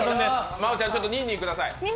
真央ちゃん、ニンニンください。